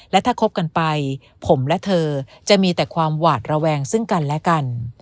และถ้าคบกันไปผมและเธอจะมีแต่ความหวาดระแวงซึ่งกันและกัน